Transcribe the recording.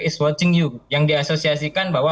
is watching you yang diasosiasikan bahwa